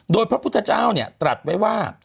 โดยพระพุทธเจ้าตรัสไว้ว่า